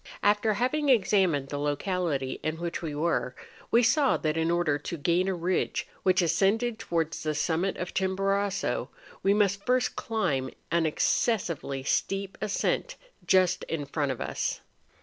After having examined the locality in which we were, we saw that in order to gain a ridge which ascended towards the summit of Chimborazo, we must first climb an excessively steep ascent just in front of us.